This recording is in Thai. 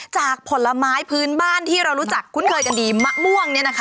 จากผลไม้พื้นบ้านที่เรารู้จักกุ้นเคยกันดีมะม่วง